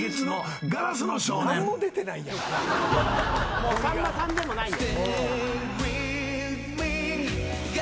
もうさんまさんでもないよ。